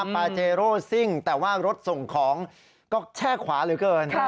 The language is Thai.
ปาเจโร่ซิ่งแต่ว่ารถส่งของก็แช่ขวาเหลือเกิน